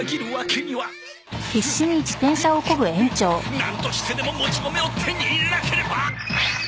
なんとしてでももち米を手に入れなければ！